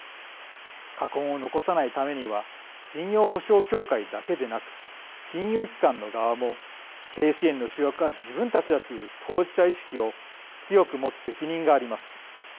禍根を残さないためには信用保証協会だけでなく金融機関の側も経営支援の主役は自分たちだという当事者意識を強くもつ責任があります。